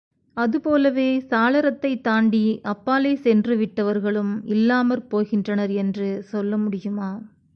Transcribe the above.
அதுபோலவே, சாளரத்தைத் தாண்டி அப்பாலே சென்று விட்டவர்களும் இல்லாமற் போகின்றனர் என்று சொல்ல முடியுமா?